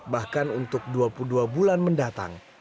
bahkan untuk dua puluh dua bulan mendatang